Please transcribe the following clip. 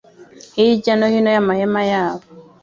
hirya no hino y’amahema yabo